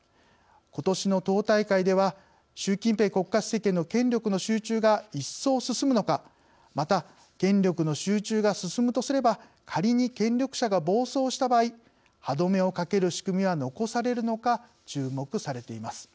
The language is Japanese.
ことしの党大会では習近平国家主席への権力の集中がいっそう進むのかまた権力の集中が進むとすれば仮に権力者が暴走した場合歯止めをかける仕組みは残されるのか注目されています。